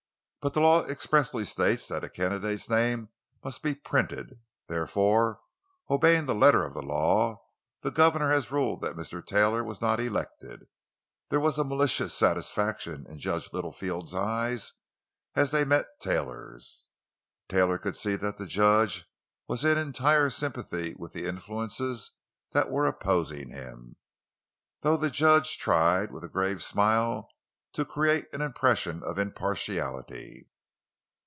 But the law expressly states that a candidate's name must be printed. Therefore, obeying the letter of the law, the governor has ruled that Mr. Taylor was not elected." There was malicious satisfaction in Judge Littlefield's eyes as they met Taylor's. Taylor could see that the judge was in entire sympathy with the influences that were opposing him, though the judge tried, with a grave smile, to create an impression of impartiality.